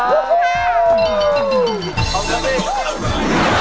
ขอบคุณครับ